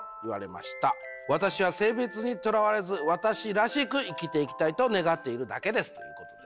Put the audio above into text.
私は性別にとらわれず私らしく生きていきたいと願っているだけです」ということです。